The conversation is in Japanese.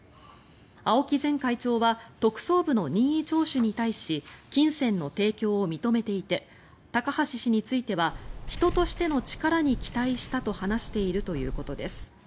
青木前会長は特捜部の任意聴取に対し金銭の提供を認めていて高橋氏については人としての力に期待したと話しているということです。